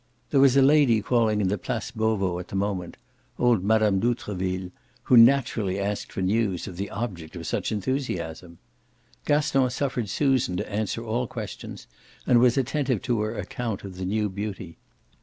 There was a lady calling in the Place Beauvau at the moment old Mme. d'Outreville who naturally asked for news of the object of such enthusiasm. Gaston suffered Susan to answer all questions and was attentive to her account of the new beauty.